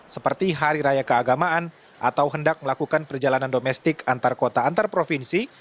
seperti hari raya keagamaan atau hendak melakukan perjalanan domestik antar kota antar provinsi